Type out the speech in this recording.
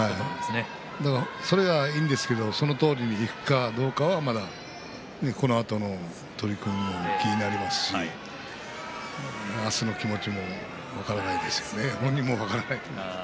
それは、いいんですけどそのとおりにいくかどうかはまだこのあとの取組も気になりますし明日の気持ちも分からないですよね